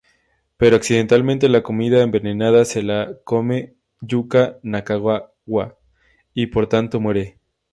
Pero, accidentalmente, la comida envenenada se la come Yuka Nakagawa y, por tanto, muere.